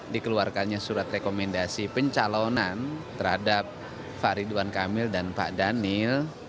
dikeluarkannya surat rekomendasi pencalonan terhadap pak ridwan kamil dan pak daniel